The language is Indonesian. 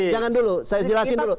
jangan dulu saya jelasin dulu